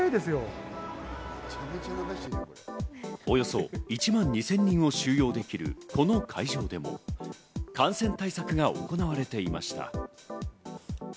およそ１万２０００人を収容できるこの会場でも、感染対策が行われていました。